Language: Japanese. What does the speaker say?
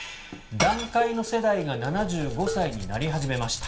団塊の世代が７５歳になり始めました。